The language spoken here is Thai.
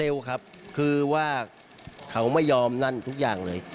เร็วครับคือว่าเขาไม่ยอมนั่นทุกอย่างเลย